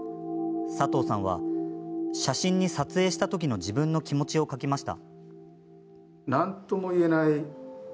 佐藤さんは写真に撮影した時の自分の気持ちを書きました。